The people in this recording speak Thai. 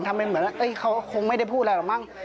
ทำเป็นเหมือนเขาคงไม่ได้พูดอะไรหรอกมั้ง